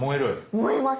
燃えます。